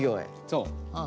そう。